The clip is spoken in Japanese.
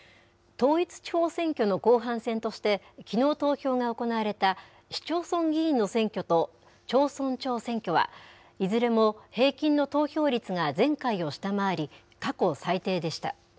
統一地方選挙の後半戦として、きのう投票が行われた市町村議員の選挙と町村長選挙は、いずれも平均の投票率が前回を下回り、過去最低でした。